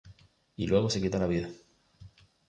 Y luego se quita la vida.